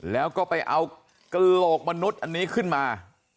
แล้วก็ไปเอากระโหลกมนุษย์อันนี้ขึ้นมา